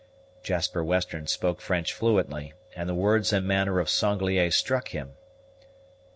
Jasper Western spoke French fluently, and the words and manner of Sanglier struck him.